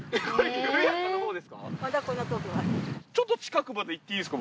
ちょっと近くまで行っていいですか？